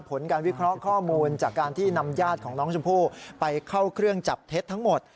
ผลการวิเคราะห์ข้อมูลจากการที่นำญาติของน้องชมพู่ไปเข้าเครื่องจับเท็จทั้งหมด